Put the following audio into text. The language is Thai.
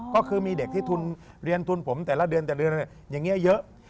ก็คือมีเด็กที่ทุนเรียนทุนผมแต่ละเดือนแต่ละเดือนอย่างนี้เยอะ